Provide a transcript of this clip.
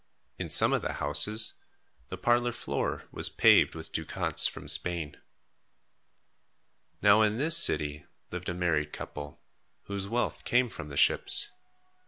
In some of the houses, the parlor floor was paved with ducats from Spain. Now in this city lived a married couple, whose wealth came from the ships.